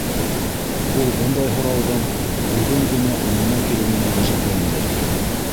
Ул бындай һорауҙың бөгөн генә уйына килеүенә гәжәпләнде.